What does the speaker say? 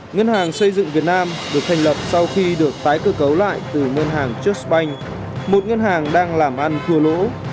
ngân hàng dây dựng việt nam được thành lập sau khi được tái cơ cấu lại từ ngân hàng chussbank một ngân hàng đang làm ăn thua lỗ